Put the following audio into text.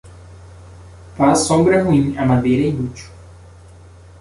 Faz sombra ruim, a madeira é inútil.